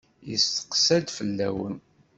Yesteqsa-d fell-awen.